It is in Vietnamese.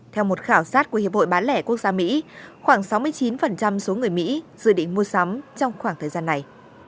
theo một khảo sát của hiệp hội bán lẻ quốc gia mỹ khoảng sáu mươi chín số người mỹ dự định mua sắm trong khoảng thời gian này